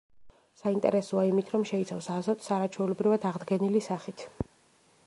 საინტერესოა იმით, რომ შეიცავს აზოტს არაჩვეულებრივად აღდგენილი სახით.